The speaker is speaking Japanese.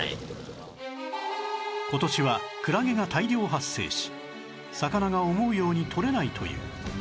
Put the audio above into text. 今年はクラゲが大量発生し魚が思うようにとれないという